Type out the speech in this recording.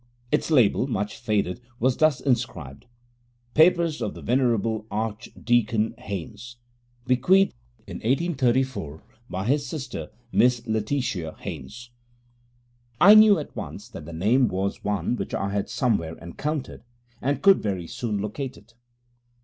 Its label, much faded, was thus inscribed: 'Papers of the Ven. Archdeacon Haynes. Bequeathed in 1834 by his sister, Miss Letitia Haynes.' I knew at once that the name was one which I had somewhere encountered, and could very soon locate it.